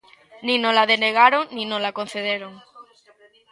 Nin nola denegaron nin nola concederon.